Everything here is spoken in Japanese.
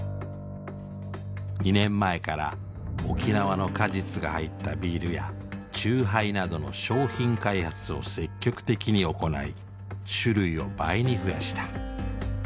２年前から沖縄の果実が入ったビールや酎ハイなどの商品開発を積極的に行い種類を倍に増やした。